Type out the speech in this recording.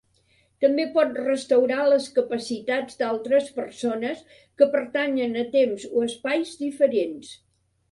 També pot restaurar les capacitats d'altres persones que pertanyen a temps o espais diferents.